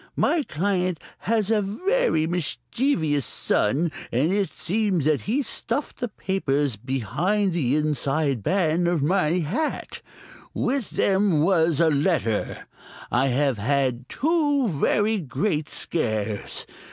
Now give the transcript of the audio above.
My client has a very mischievous son, and it seems that he stuffed the papers behind the inside band of my hat. With them there was a letter. I have had two very great scares.